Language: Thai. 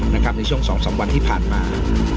ในช่วง๒๓วันที่ผ่านมา